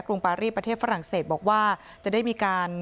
ปารีประเทศฝรั่งเศสบอกว่าจะได้มีการ